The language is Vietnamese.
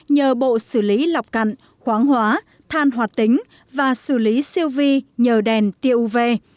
nhờ bộ xử lý lọc cặn khoáng hóa than hoạt tính và xử lý siêu vi nhờ đèn tia uv